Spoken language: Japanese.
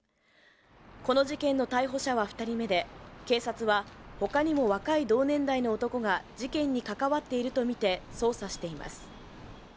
この事件の逮捕者は２人目で警察は、他にも若い同年代の男が事件に関わっているとみて捜査しています。